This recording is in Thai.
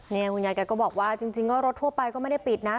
เนี่ยคุณยายกันก็บอกว่าจริงรถทั่วไปก็ไม่ได้ปิดนะ